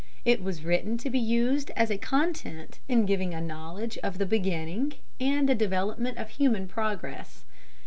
It was written to be used as a content in giving a knowledge of the beginning and development of human progress.